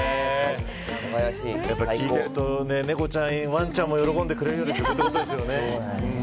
やっぱり聞いてると猫ちゃんや、ワンちゃんも喜んでくれるということですよね。